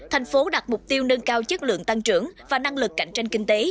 thành phố đặt mục tiêu nâng cao chất lượng tăng trưởng và năng lực cạnh tranh kinh tế